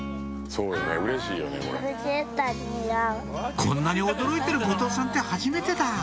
「こんなに驚いてる後藤さんって初めてだ」